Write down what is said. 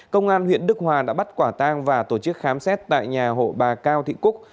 công an huyện đức hòa đã bắt quả tang và tổ chức khám xét tại nhà hộ bà cao thị cúc